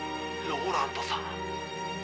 ローランドさん。